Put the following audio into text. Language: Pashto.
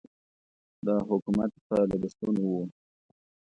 د حکومت په لګښتونو و.